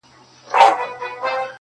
ازمايښت اول په کال و، اوس په گړي دئ.